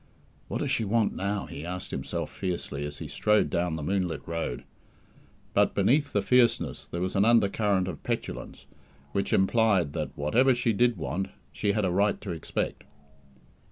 "What does she want now?" he asked himself fiercely, as he strode down the moonlit road; but beneath the fierceness there was an under current of petulance, which implied that, whatever "she" did want, she had a right to expect.